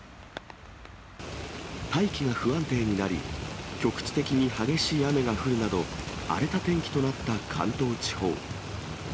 大気が不安定になり、局地的に激しい雨が降るなど、荒れた天気となった関東地方。